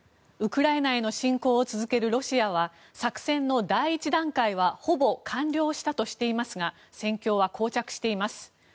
ウクライナへの侵攻を続けるロシアは作戦の第１段階はほぼ完了したとしていますが戦況はこう着しています。